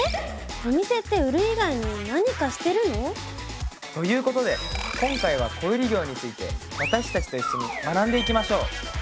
お店って売る以外に何かしてるの？ということで今回は小売業について私たちと一緒に学んでいきましょう！